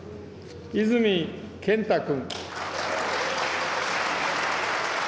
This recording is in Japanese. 泉健太君。